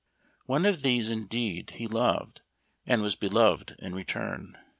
One of these, indeed, he loved, and was be loved in return.